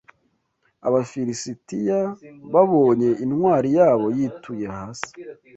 Abafilisitiya babonye intwari yabo yituye hasi